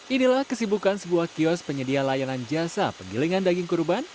inilah kesibukan sebuah kios penyedia layanan jasa penggilingan daging kurban